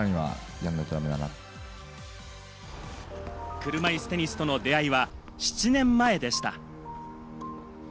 車いすテニスとの出会いは７年前でした。